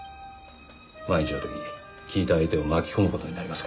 万一の時聞いた相手を巻き込む事になりますから。